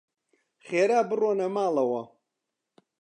خێرا بڕۆنە ماڵەوە.